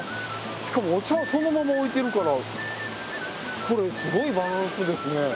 しかもお茶をそのまま置いてるからこれすごいバランスですね。